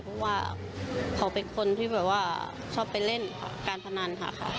เพราะเขามีคนที่ชอบไปเล่นการผนันค่ะ